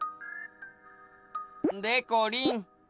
でこりん。